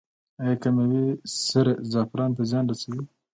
آیا کیمیاوي سره زعفرانو ته زیان رسوي؟